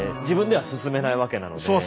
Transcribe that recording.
自分では進めないわけなので。